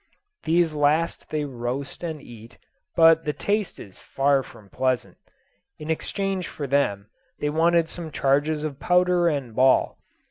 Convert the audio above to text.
These last they roast and eat, but the taste is far from pleasant. In exchange for them, they wanted some charges of powder and ball.